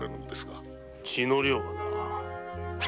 血の量がな。